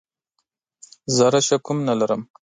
زره شک هم نه لرم .